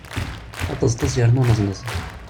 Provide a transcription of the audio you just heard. Aṭeẓṭeẓ yerna aneẓneẓ!